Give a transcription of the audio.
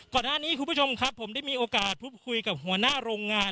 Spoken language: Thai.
คุณผู้ชมครับผมได้มีโอกาสพูดคุยกับหัวหน้าโรงงาน